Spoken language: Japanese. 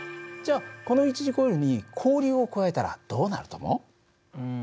じゃあこの一次コイルに交流を加えたらどうなると思う？